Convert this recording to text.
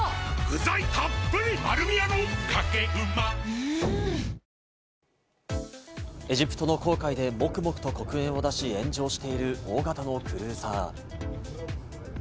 ニトリエジプトの紅海でもくもくと黒煙を出し、炎上している大型のクルーザー。